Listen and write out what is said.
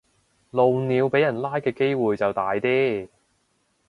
露鳥俾人拉嘅機會就大啲